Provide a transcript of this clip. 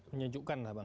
menyejukkan lah bang